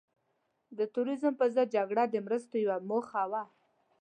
د تروریزم په ضد جګړه د مرستو یوه موخه وه.